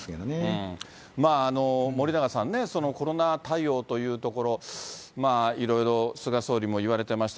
まあ、森永さんね、そのコロナ対応というところ、いろいろ菅総理も言われてました。